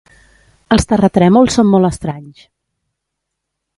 Els terratrèmols són molt estranys.